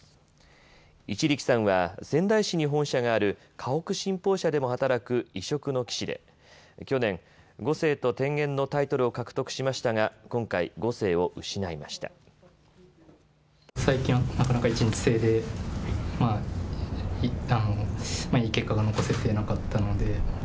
一力さんは仙台市に本社がある河北新報社でも働く異色の棋士で去年、碁聖と天元のタイトルを獲得しましたが今回、碁聖を失いました。